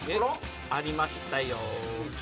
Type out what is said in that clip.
ありましたよ。